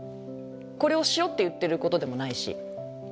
これをしようって言ってることでもないし。